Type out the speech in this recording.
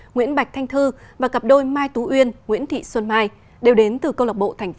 nguyễn bạch thanh thư và cặp đôi mai tú uyên nguyễn thị xuân mai đều đến từ câu lạc bộ tp hcm